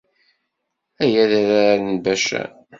Ay adrar n Bacan!